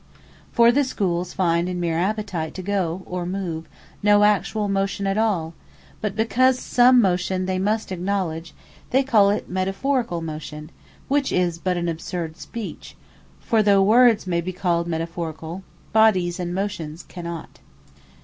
For the Schooles find in meere Appetite to go, or move, no actuall Motion at all: but because some Motion they must acknowledge, they call it Metaphoricall Motion; which is but an absurd speech; for though Words may be called metaphoricall; Bodies, and Motions cannot.